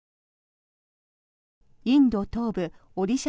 インド東部オディシャ